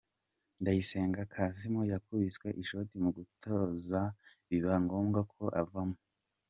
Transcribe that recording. Ndayisenga Kassim yakubiswe ishoti mu gatuza biba ngombwa ko avamo.